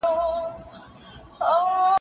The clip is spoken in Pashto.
د دیدن تږي خبر دي چې تر ښکلو